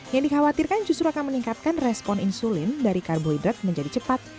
yang dikhawatirkan justru akan meningkatkan respon insulin dari karbohidrat menjadi cepat